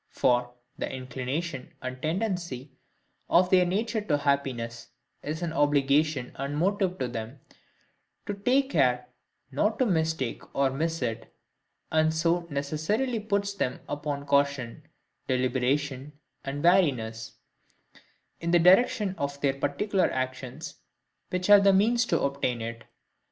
For, the inclination and tendency of their nature to happiness is an obligation and motive to them, to take care not to mistake or miss it; and so necessarily puts them upon caution, deliberation, and wariness, in the direction of their particular actions, which are the means to obtain it.